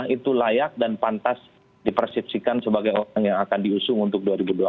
itu layak dan pantas dipersepsikan sebagai orang yang akan diusung untuk dua ribu dua puluh empat